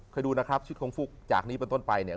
เคยดูนะครับชุดคงฟุกจากนี้เป็นต้นไปเนี่ย